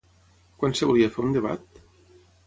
Quan es volia fer un debat?